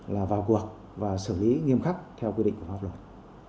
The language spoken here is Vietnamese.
là vào cuộc và xử lý nghiêm khắc theo quy định của pháp luật